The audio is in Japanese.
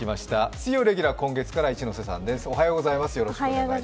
水曜レギュラー、今月から一ノ瀬さんです。